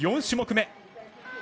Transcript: ４種目め。